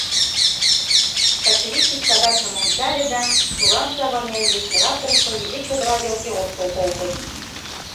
Качырий кидшагатшым ончале да, туран савырнен, лишнырак улшо изи чодра велке ошкыл колтыш.